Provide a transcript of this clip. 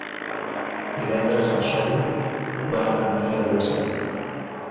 Divendres en Xavi va a Maria de la Salut.